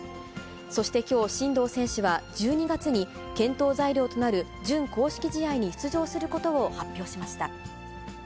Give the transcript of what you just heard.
そしてきょう、真道選手は、１２月に検討材料となる準公式試合に出場することを発表しました。